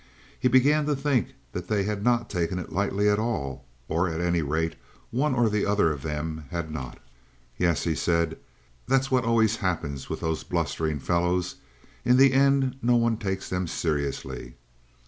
He began to think that they had not taken it lightly at all, or, at any rate, one or other of them had not. "Yes," he said. "That's what always happens with those blustering fellows. In the end no one takes them seriously.